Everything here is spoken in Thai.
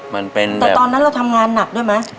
มันเป็นแต่ตอนนั้นเราทำงานหนักด้วยไหม